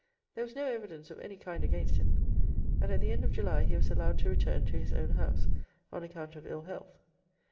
There was no evidence of any kind against him, and at the end of July he was allowed to return to his own house on account of ill health.